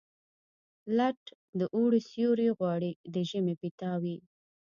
لټ د اوړي سیوري غواړي، د ژمي پیتاوي.